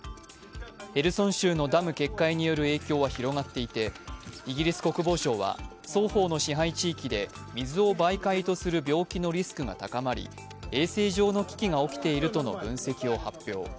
ヘルソン州のダム決壊による影響は広がっていてイギリス国防省は双方の支配地域で水を媒介とする病気のリスクが高まり衛生上の危機が起きているとの分析を発表。